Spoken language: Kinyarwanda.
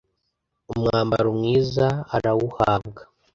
umwambaro mwiza arawuhabwa